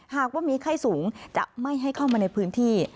หากว่ามีไข้สูงจะไม่ให้เข้ามาในพื้นที่